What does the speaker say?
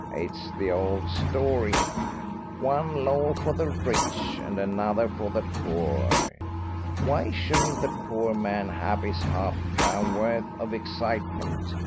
It is the old story one law for the rich and another for the poor. Why shouldn't the poor man 'ave his 'alf crown's worth of excitement?